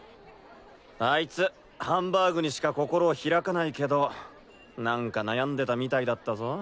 あいつハンバーグにしか心を開かないけど何か悩んでたみたいだったぞ。